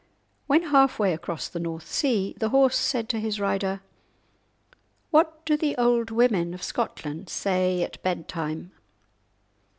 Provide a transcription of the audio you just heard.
When half way across the North Sea the horse said to his rider:— "What do the old women of Scotland say at bed time?"